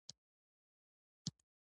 • د غرونو څوکې د واورې له امله ښکلي ښکاري.